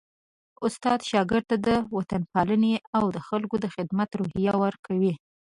استاد شاګرد ته د وطنپالني او د خلکو د خدمت روحیه ورکوي.